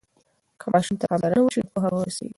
که ماشوم ته پاملرنه وسي نو پوهه به ورسيږي.